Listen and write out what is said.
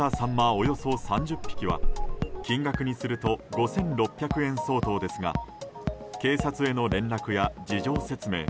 およそ３０匹は金額にすると５６００円相当ですが警察への連絡や事情説明